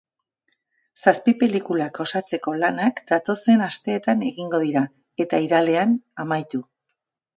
Zazpi pelikulak osatzeko lanak datozen asteetan egingo dira, eta irailean amaitu.